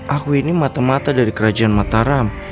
aku ini mata mata dari kerajaan mataram